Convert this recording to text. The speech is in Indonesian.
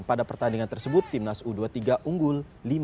pada pertandingan tersebut timnas u dua puluh tiga unggul lima